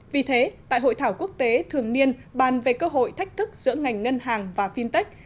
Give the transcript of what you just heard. vì thế tại hội thảo quốc tế thường niên bàn về cơ hội thách thức giữa ngành ngân hàng và fintech